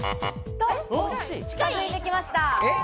近づいてきました！